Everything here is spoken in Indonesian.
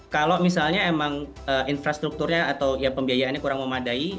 kalau misalnya emang infrastrukturnya atau ya pembiayaannya kurang memadai